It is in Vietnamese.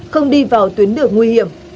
không đi vào tuyến đường nguy hiểm